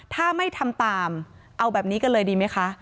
ถ้าไม่ทำตามเอาแบบนี้กันเลยดีไหมคะ